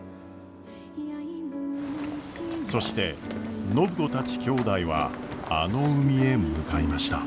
そして暢子たちきょうだいはあの海へ向かいました。